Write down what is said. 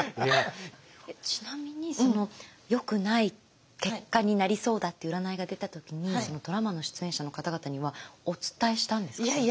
ちなみにそのよくない結果になりそうだって占いが出た時にそのドラマの出演者の方々にはお伝えしたんですか？